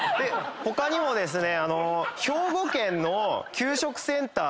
他にもですね。